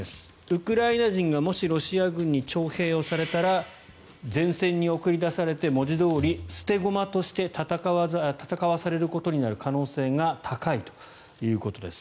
ウクライナ人がもし、ロシア軍に徴兵されたら前線に送り出されて文字どおり捨て駒として戦わされることになる可能性が高いということです。